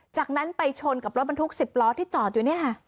จากนั้นไปชนกับรถบรรทุก๑๐ล้อที่จอดอยู่เนี่ยค่ะ